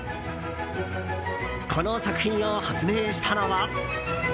この作品を発明したのは。